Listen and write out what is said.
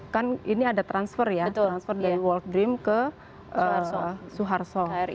kan ini ada transfer ya transfer dari world dream ke suharto